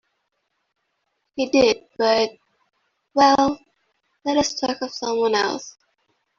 He did, but — well, let us talk of some one else.